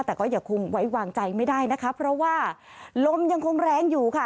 แต่ก็อย่าคงไว้วางใจไม่ได้นะคะเพราะว่าลมยังคงแรงอยู่ค่ะ